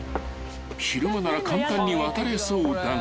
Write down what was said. ［昼間なら簡単に渡れそうだが］